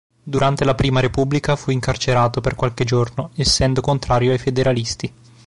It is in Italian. Durante la Prima Repubblica fu incarcerato per qualche giorno essendo contrario ai federalisti.